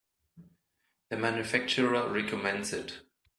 The manufacturer recommends it.